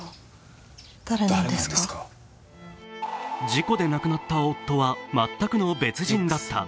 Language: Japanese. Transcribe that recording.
事故で亡くなった夫は全くの別人だった。